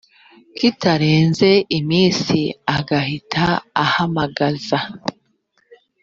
kitarenze iminsi agahita ahamagaza